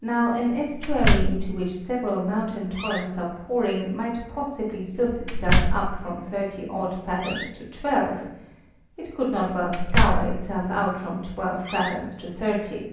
Now an estuary into which several mountain torrents are pouring might possibly silt itself up from thirty odd fathoms to twelve; it could not well scour itself out from twelve fathoms to thirty.